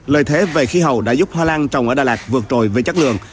lợi thế về khí hậu đã giúp hoa lan trồng ở đà lạt vượt trồi về chất lượng